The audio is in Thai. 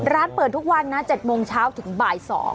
ร้านเปิดทุกวันนะ๗โมงเช้าถึงบ่าย๒